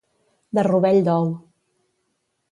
De rovell d'ou.